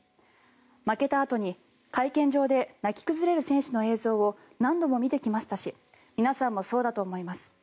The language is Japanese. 負けたあとに会見場で泣き崩れる選手の映像を何度も見てきましたし皆さんもそうだと思います。